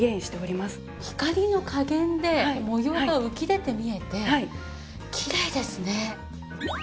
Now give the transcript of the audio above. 光の加減で模様が浮き出て見えてきれいですね。